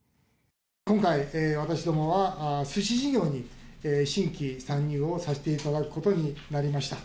今回、私どもはすし事業に新規参入をさせていただくことになりました。